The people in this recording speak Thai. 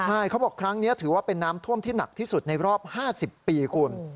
ใช่เขาบอกครั้งนี้ถือว่าเป็นน้ำท่วมที่หนักที่สุดในรอบ๕๐ปีคุณ